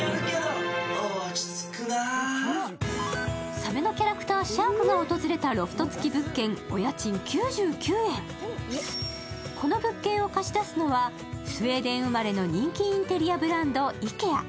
サメのキャラクター、シャークが訪れたロフト付き物件、お家賃９９円、この物件を貸し出すのは、スウェーデン生まれの人気インテリアブランド、ＩＫＥＡ。